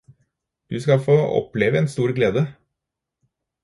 Du skal få oppleve en stor glede.